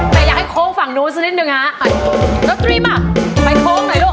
แต่อยากให้โค้งฝั่งนู้นซักนิดหนึ่งฮะมาไปโค้งหน่อยลูก